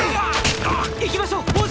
行きましょう王子！！